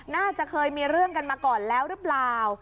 น่าจะเคยมีเรื่องกันมาก่อนแล้วหรือเปล่า